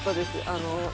あの。